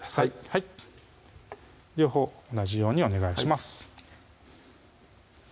はい両方同じようにお願いします